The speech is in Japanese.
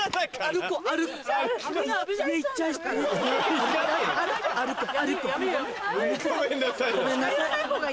ごめんなさい。